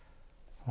あ。